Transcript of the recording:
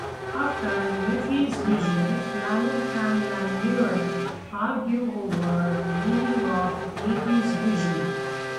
After Nephi's vision, Laman and Lemuel argue over the meaning of Lehi's vision.